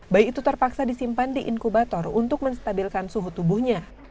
bayi itu terpaksa disimpan di inkubator untuk menstabilkan suhu tubuhnya